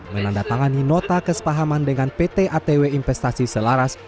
menandatangani nota kesepahaman dengan pt atw investasi selaras